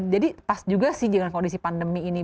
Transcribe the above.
jadi pas juga sih dengan kondisi pandemi ini